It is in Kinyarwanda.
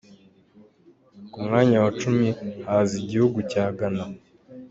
Ku mwanya wa cumi haza igihugu cya Ghana.